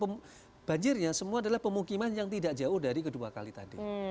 jadi kita lihat juga titik banjirnya semua adalah pemukiman yang tidak jauh dari kedua kali tadi